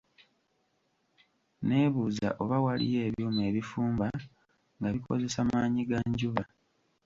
Neebuuza oba waliyo ebyuma ebifumba nga bikozesa maanyi ga njuba.